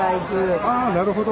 あなるほど。